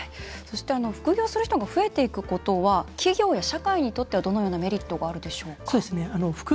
副業する人が増えていくことは企業や社会にとってどのようなメリットがあるでしょうか。